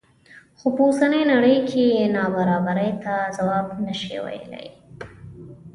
خو په اوسنۍ نړۍ کې نابرابرۍ ته ځواب نه شي ویلی.